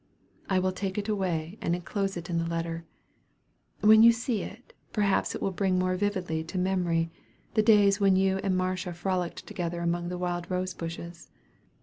I will take it away, and enclose it in the letter. When you see it, perhaps it will bring more vividly to memory the days when you and Marcia frolicked together among the wild rose bushes.